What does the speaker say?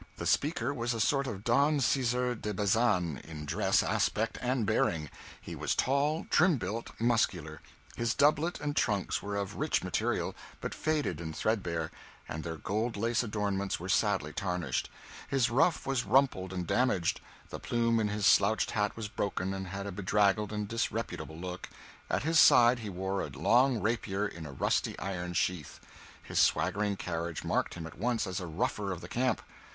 The speaker was a sort of Don Caesar de Bazan in dress, aspect, and bearing. He was tall, trim built, muscular. His doublet and trunks were of rich material, but faded and threadbare, and their gold lace adornments were sadly tarnished; his ruff was rumpled and damaged; the plume in his slouched hat was broken and had a bedraggled and disreputable look; at his side he wore a long rapier in a rusty iron sheath; his swaggering carriage marked him at once as a ruffler of the camp.